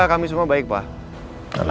harus telpon papa surya